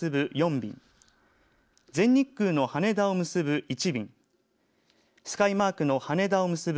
便全日空の羽田を結ぶ１便スカイマークの羽田を結ぶ